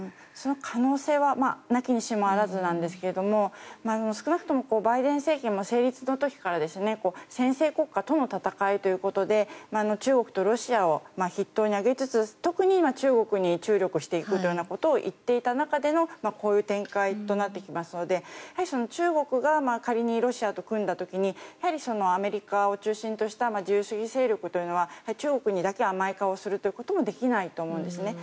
その可能性はなきにしもあらずなんですけど少なくともバイデン政権成立の時から専制国家との戦いということで中国とロシアを筆頭に挙げつつ特に中国に注力していくということを言っていた中でのこういう展開となってきますのでやはり中国が仮にロシアと組んだ時にやはりアメリカを中心とした自由主義勢力というのは中国にだけ甘い顔をするということもできないと思うんです。